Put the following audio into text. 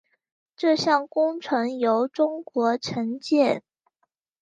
这项工程由中国承建。